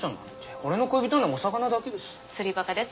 俺の恋人はお魚だけです。